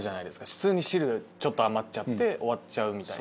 普通に汁ちょっと余っちゃって終わっちゃうみたいな。